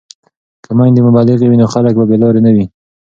که میندې مبلغې وي نو خلک به بې لارې نه وي.